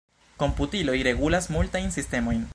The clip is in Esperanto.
Komputiloj regulas multajn sistemojn.